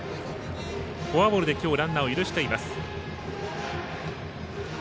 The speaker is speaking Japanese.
フォアボールで今日ランナーを許しています。